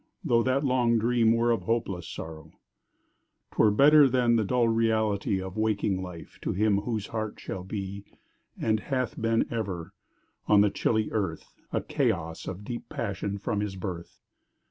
tho' that long dream were of hopeless sorrow, 'Twere better than the dull reality Of waking life to him whose heart shall be, And hath been ever, on the chilly earth, A chaos of deep passion from his birth!